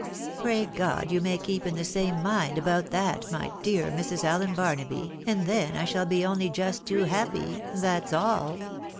Pray God you may keep in the same mind about that, my dear Mrs. Allen Barnaby, and then I shall be only just too happy, that's all."